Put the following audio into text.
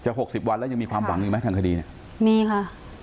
ช้าหกสิบวันแล้วยังมีความหวังยังไหมครับทางคดีมีค่ะ